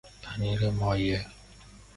پنیر مایه